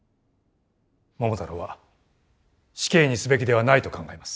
桃太郎は死刑にすべきではないと考えます。